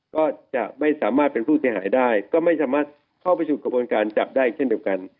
ก็จะไม่สามารถเป็นผู้เสียหายได้ก็ไม่สามารถเข้าไปสู่กระบวนการจับได้เช่นเดียวกัน